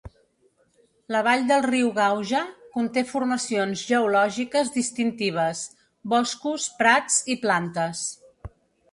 La vall del riu Gauja conté formacions geològiques distintives, boscos, prats i plantes.